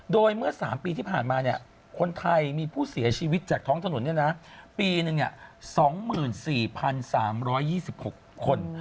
โดยเมื่อ๓ปีที่ผ่านมาคนไทยมีผู้เสียชีวิตจากท้องถนนปีหนึ่ง๒๔๓๒๖คน